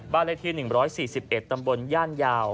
บ้านละที๑๔๑ตำบลย่านยาว